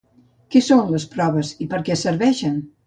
Què són les proves i per a què serveixen?